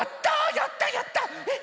やったやった！えっ？